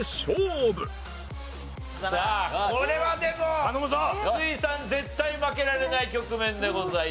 さあこれはでも筒井さん絶対負けられない局面でございます。